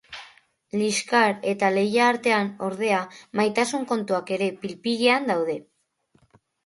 Liskar eta lehia artean, ordea, maitasun kontuak ere pil-pilean daude.